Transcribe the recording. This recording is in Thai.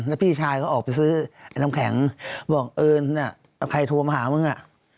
แล้วพี่ชายเขาออกไปซื้อไอ้น้ำแข็งบอกเอิญใครโทรมาหามึงอ่ะ